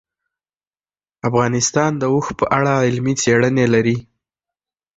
افغانستان د اوښ په اړه علمي څېړنې لري.